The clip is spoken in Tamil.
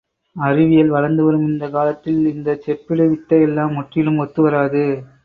அறிவியல் வளர்ந்து வரும் இந்தக் காலத்தில், இந்தச் செப்பிடுவித்தையெல்லாம் முற்றிலும் ஒத்து வராது.